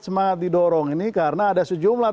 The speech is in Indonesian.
semangat didorong ini karena ada sejumlah